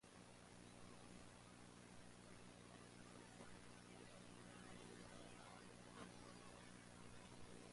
After one season with the Blazers, Campbell signed on with Pittsburgh.